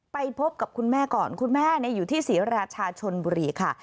ไปพบกับคุณแม่ก่อนคุณแม่อยู่ที่ศรีราชาชนบุรีค่ะ